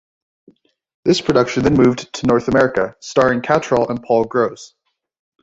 This production then moved to North America, starring Cattrall and Paul Gross.